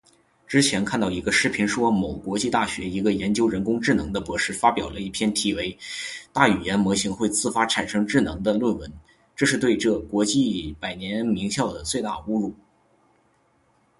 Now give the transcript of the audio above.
之前看到一个视频说某国际大学一个研究人工智能的博士发表了一篇题为:大语言模型会自发产生智能的论文，这是对这所国际百年名校的最大侮辱